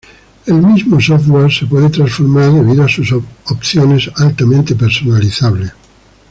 El mismo software se puede transformar debido a sus opciones altamente personalizables.